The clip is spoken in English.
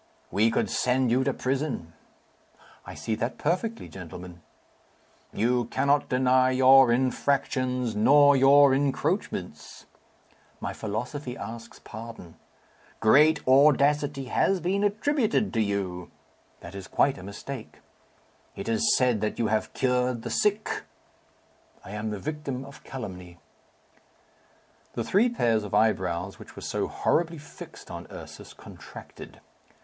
"We could send you to prison." "I see that perfectly, gentlemen." "You cannot deny your infractions nor your encroachments." "My philosophy asks pardon." "Great audacity has been attributed to you." "That is quite a mistake." "It is said that you have cured the sick." "I am the victim of calumny." The three pairs of eyebrows which were so horribly fixed on Ursus contracted.